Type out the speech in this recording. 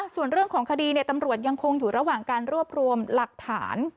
ส่วนเรื่องของคดีตำรวจยังคงอยู่ระหว่างการรวบรวมหลักฐาน